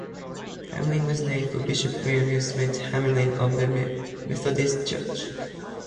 Hamlin was named for Bishop Leonidas Lent Hamline of the Methodist Church.